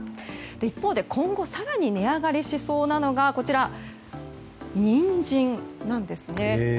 一方で、今後更に値上がりしそうなのがニンジンなんですね。